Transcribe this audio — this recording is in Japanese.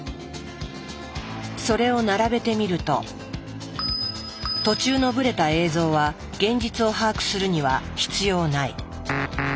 それを並べてみると途中のぶれた映像は現実を把握するには必要ない。